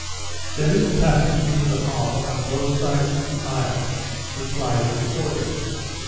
There is a passage into the harbour on both sides of the isle, which lies before it.